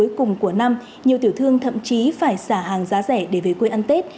và hôm nay đã là ngày cuối cùng của năm nhiều tiểu thương thậm chí phải xả hàng giá rẻ để về quê ăn tết